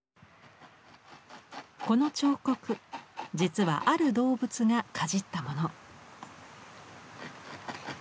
この彫刻実はある動物がかじったもの。